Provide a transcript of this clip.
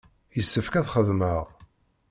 Yessefk ad xedmeɣ.